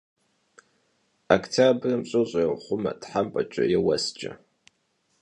Voktyabrım ş'ır ş'êxhume thempeç'e yê vuesç'e.